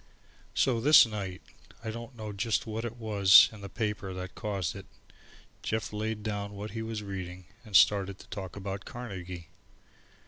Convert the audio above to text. So this night, I don't know just what it was in the paper that caused it, Jeff laid down what he was reading and started to talk about Carnegie.